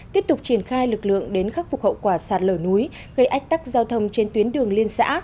tiếp tục triển khai lực lượng đến khắc phục hậu quả sạt lở núi gây ách tắc giao thông trên tuyến đường liên xã